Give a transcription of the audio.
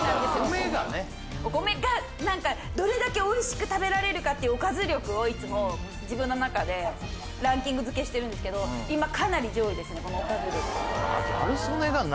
お米が何かどれだけおいしく食べられるかっていうおかず力をいつも自分の中でランキング付けしてるんですけど今かなり上位ですねこのおかず力。